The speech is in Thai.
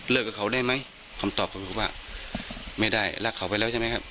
กับเขาได้ไหมคำตอบก็คือว่าไม่ได้รักเขาไปแล้วใช่ไหมครับ